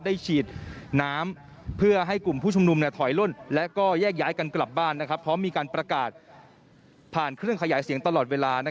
ได้ฉีดน้ำเพื่อให้กลุ่มผู้ชมนุมเนี่ยถอยล่น